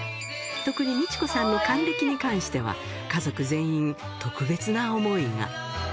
特に未知子さんの還暦に関しては、家族全員、特別な思いが。